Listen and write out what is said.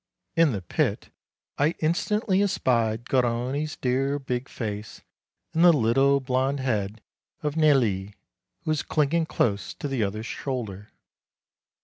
In the pit I instantly espied Garrone's dear, big face and the little blonde head of Nelli, who was clinging close to the other's shoulder.